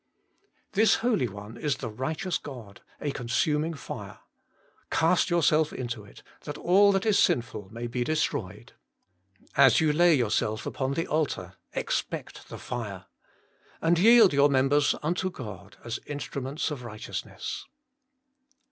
' 2. This Holy One is the Righteous God, a consuming fire. Cast yourself into it, that all that is sinful may be destroyed. As you lay yourself upon the altar, expect the fire. 'And yield your members unto God as instru ments of Righteousness.'